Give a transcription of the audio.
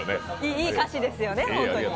いい歌詞ですよね、本当に。